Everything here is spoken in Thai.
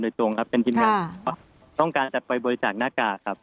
โดยตรงครับเป็นทีมงานเพราะต้องการจะไปบริจาคหน้ากากครับ